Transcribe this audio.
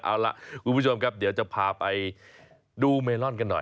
เอาล่ะคุณผู้ชมครับเดี๋ยวจะพาไปดูเมลอนกันหน่อย